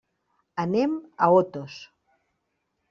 Anem a Otos.